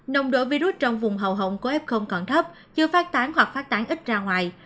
nồng độ virus trong vùng hầu của f còn thấp chưa phát tán hoặc phát tán ít ra ngoài